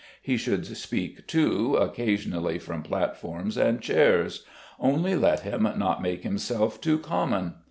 He should speak, too, occasionally from platforms and chairs; only let him not make himself too common.